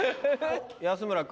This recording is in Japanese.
安村君。